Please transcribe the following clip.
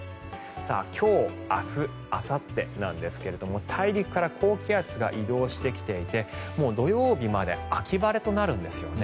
今日、明日、あさってなんですが大陸から高気圧が移動してきていて土曜日まで秋晴れとなるんですよね。